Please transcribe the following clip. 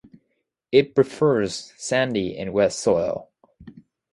It prefers sandy and wet soil.